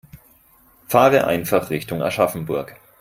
Fahre einfach Richtung Aschaffenburg